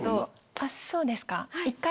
あっそうですか？